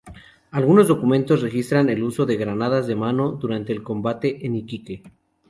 Algunos documentos registran el uso de granadas de mano durante el combate en Iquique.